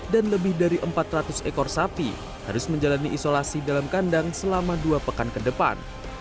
dan lebih dari empat ratus ekor sapi harus menjalani isolasi dalam kandang selama dua pekan ke depan